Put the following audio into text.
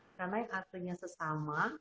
karena yang artinya sesama